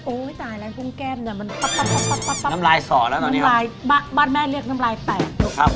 โอ้ยตายแล้วคุณแก้มเนี่ยบ้านแม่เรียนน้ำลายแตก